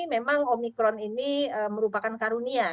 memang omikron ini merupakan karunia